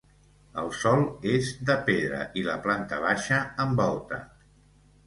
El sòl és de pedra i la planta baixa amb volta.